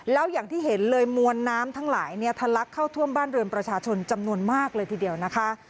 แล้วอย่างที่เห็นเลยมวลน้ำทั้งหลายเนี่ยทะลักเข้าท่วมบ้านเรือนประชาชนจำนวนมากเลยทีเดียวนะคะ